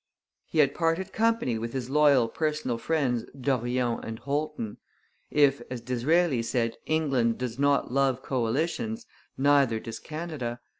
He had parted company with his loyal personal friends Dorion and Holton. If, as Disraeli said, England does not love coalitions, neither does Canada.